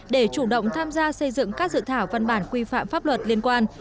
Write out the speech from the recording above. để chủ động tham gia xây dựng các dự thảo văn bản quy phạm pháp luật liên quan